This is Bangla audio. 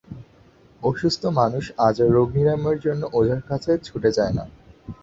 অসুস্থ মানুষ আজ আর রোগ নিরাময়ের জন্যে ওঝার কাছে ছুটে যায়না।